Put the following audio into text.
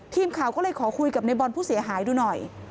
ทีมข่าวก็เลยขอคุยกับในบอลผู้เสียหายดูหน่อย